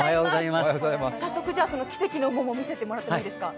早速、奇跡の桃、見せてもらっていいですか？